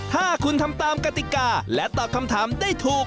ถ้าคุณทำตามกติกาและตอบคำถามได้ถูก